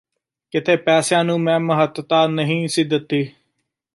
ਕਿਤੇ ਪੈਸਿਆਂ ਨੂੰ ਮੈਂ ਮਹੱਤਾ ਨਹੀਂ ਸੀ ਦਿੱਤੀ